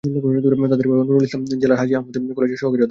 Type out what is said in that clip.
তাঁদের বাবা নূরুল ইসলাম জেলার হাজী মনির আহমদ কলেজের সহকারী অধ্যাপক।